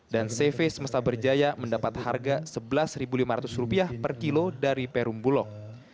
dan cv semesta berjaya mendapat harga sebelas lima ratus rupiah per kilo dari perum bulog